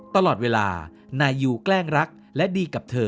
ตลอดเวลานายยูแกล้งรักและดีกับเธอ